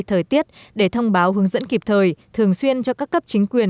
thời tiết để thông báo hướng dẫn kịp thời thường xuyên cho các cấp chính quyền